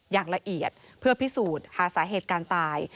อย่างละเอียดเพื่อพิสูจน์หาสาเหตุการตาย